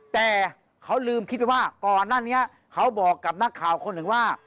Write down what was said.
แต่เขาลืมคิดไปว่าก่อนหน้านี้เขาบอกกับนักข่าวคนหนึ่งว่า